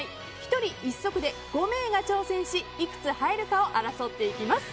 １人１足で５名が挑戦し、いくつ入るかを争っていきます。